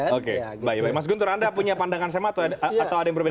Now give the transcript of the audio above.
oke baik mas guntur anda punya pandangan sama atau ada yang berbeda